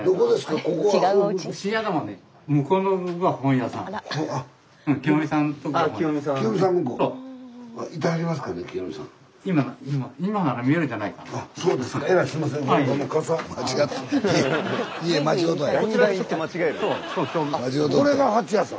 ここも蜂屋さん？